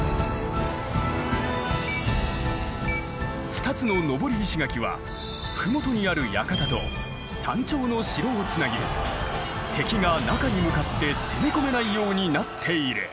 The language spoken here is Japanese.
２つの登り石垣は麓にある館と山頂の城をつなぎ敵が中に向かって攻め込めないようになっている。